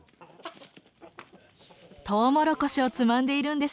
トウモロコシをつまんでいるんですね。